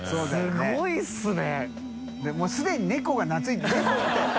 すごいですね。